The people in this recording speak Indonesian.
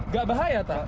gak bahaya tak